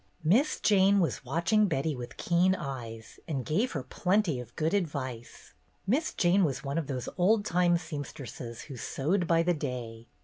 Miss Jane was watching Betty with keen eyes, and gave her plenty of good advice. Miss Jane was one of those old time seam stresses who sewed by the day.